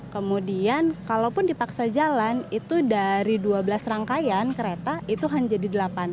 kemudian kalaupun dipaksa jalan itu dari dua belas rangkaian kereta itu hanya jadi delapan